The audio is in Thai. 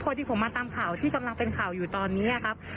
พอที่ผมมาตามข่าวที่กำลังเป็นข่าวอยู่ตอนนี้ครับ